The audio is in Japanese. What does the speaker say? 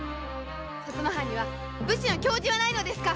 薩摩藩には武士の矜持はないのですか